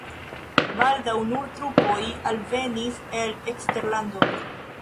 Baldaŭ nur trupoj alvenis el eksterlando.